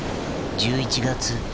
１１月。